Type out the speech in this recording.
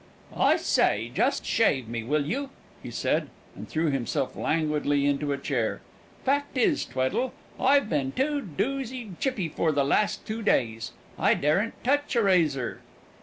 "I say, just shave me, will you?" he said, and threw himself languidly into a chair. "Fact is, Tweddle, I've been so doosid chippy for the last two days, I daren't touch a razor."